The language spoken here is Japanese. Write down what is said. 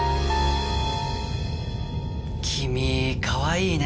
きみかわいいね。